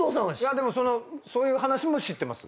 でもそういう話も知ってます。